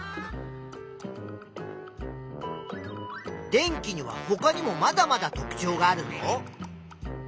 電気にはほかにもまだまだ特ちょうがあるぞ？